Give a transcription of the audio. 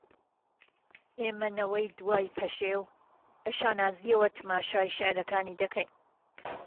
ئێمەی نەوەی دوای پەشێو بە شانازییەوە تەماشای شیعرەکانی دەکەین